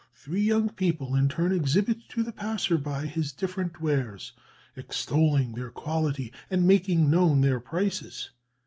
Three young people in turn exhibit to the passer by his different wares, extolling their quality, and making known their prices.